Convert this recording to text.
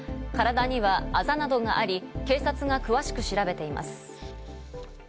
体にはあざなどがあり、警察が詳しく調べています。